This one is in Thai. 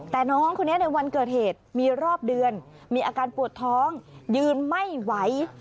แต่น้องคนนี้ในวันเกิดเหตุมีรอบเดือนมีอาการปวดท้องยืนไม่ไหว